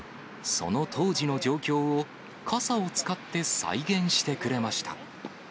その当時の状況を、傘を使って再現してくれました。